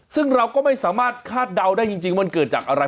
ซึ่งเราก็ไม่สามารถคาดเดาได้จริงมันเกิดจากอะไร